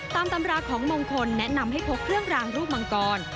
ตามตำราของมงคลแนะนำให้พกเครื่องรางรูปมังกร